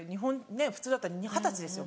普通だったら二十歳ですよ